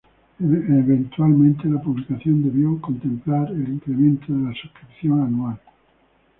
Eventualmente la publicación debió contemplar el incremento de la suscripción anual.